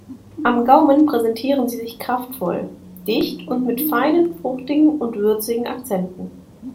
Am Gaumen präsentieren sie sich kraftvoll, dicht und mit feinen fruchtigen und würzigen Akzenten.